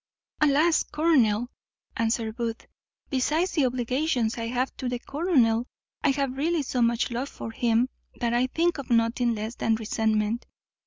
"Alas! colonel," answered Booth, "besides the obligations I have to the colonel, I have really so much love for him, that I think of nothing less than resentment.